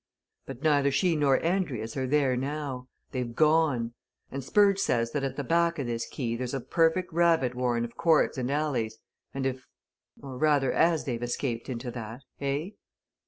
But neither she nor Andrius are there now. They've gone! And Spurge says that at the back of this quay there's a perfect rabbit warren of courts and alleys, and if or, rather as they've escaped into that eh?"